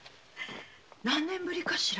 何年ぶりかしら？